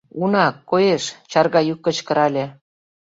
Уна, коеш! — чарга йӱк кычкырале.